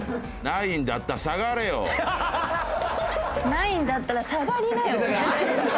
「ないんだったら下がれよ」。